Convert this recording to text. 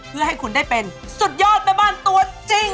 เพื่อให้คุณได้เป็นสุดยอดแม่บ้านตัวจริง